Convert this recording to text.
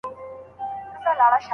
بازاريانو به ساعت نه وي پېژندلی.